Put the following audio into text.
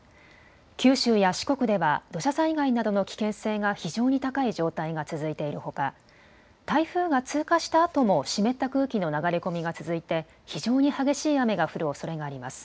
九州や四国では土砂災害などの危険性が非常に高い状態が続いているほか台風が通過したあとも湿った空気の流れ込みが続いて非常に激しい雨が降るおそれがあります。